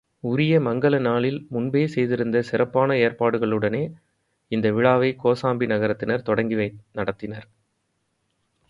உரிய மங்கல நாளில் முன்பே செய்திருந்த சிறப்பான ஏற்பாடுகளுடனே இந்த விழாவைக் கோசாம்பி நகரத்தினர் தொடங்கி நடத்தினர்.